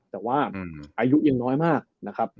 แต่ว่าอายุยังน้อยมากนะครับ